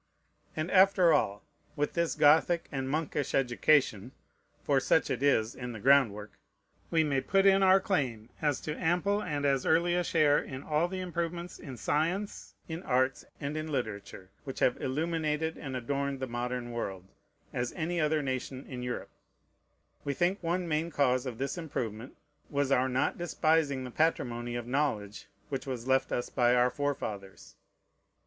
And after all, with this Gothic and monkish education, (for such it is in the groundwork,) we may put in our claim to as ample and as early a share in all the improvements in science, in arts, and in literature, which have illuminated and adorned the modern world, as any other nation in Europe: we think one main cause of this improvement was our not despising the patrimony of knowledge which was left us by our forefathers.